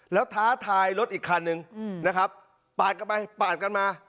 แล้วท้าทายรถอีกคันนึงนะครับปาดกันไปปาดกันมา